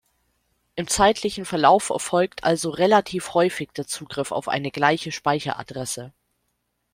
Im zeitlichen Verlauf erfolgt also relativ häufig der Zugriff auf eine gleiche Speicheradresse.